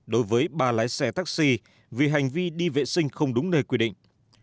đối với ba lái xe taxi vì hành vi đi vệ sinh không đúng nơi quy định